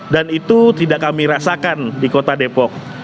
dan itu tidak kami rasakan di kota depok